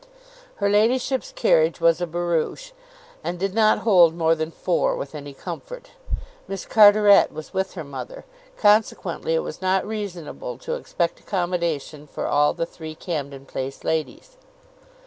Her ladyship's carriage was a barouche, and did not hold more than four with any comfort. Miss Carteret was with her mother; consequently it was not reasonable to expect accommodation for all the three Camden Place ladies.